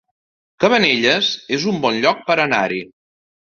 Cabanelles es un bon lloc per anar-hi